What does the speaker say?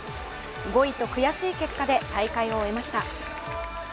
５位と悔しい結果で大会を終えました。